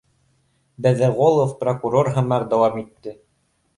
Бәҙеғолов прокурор һымаҡ дауам итте: